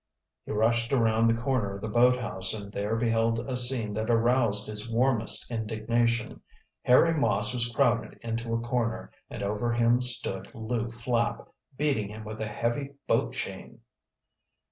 He rushed around the corner of the boathouse and there beheld a scene that aroused his warmest indignation. Harry Moss was crowded into a corner and over him stood Lew Flapp, beating him with a heavy boat chain.